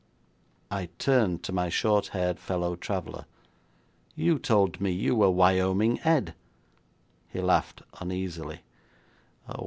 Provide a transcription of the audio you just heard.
I turned to my short haired fellow traveller. 'You told me you were Wyoming Ed!' He laughed uneasily.